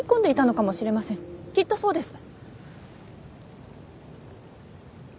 きっとそうです。